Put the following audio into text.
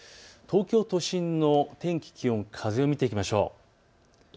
東京都心の天気、気温、風を見ていきましょう。